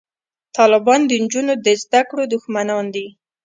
طالبان د نجونو د زده کړو دښمنان دي